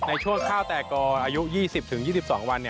ชั่วข้าวแตกกออายุ๒๐๒๒วัน